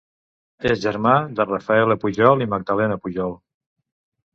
És germà de Rafaela Pujol i Magdalena Pujol.